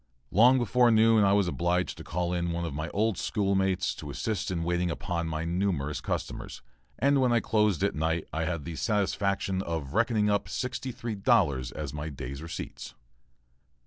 Long before noon I was obliged to call in one of my old schoolmates to assist in waiting upon my numerous customers and when I closed at night I had the satisfaction of reckoning up sixty three dollars as my day's receipts.